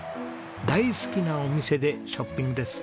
大好きなお店でショッピングです。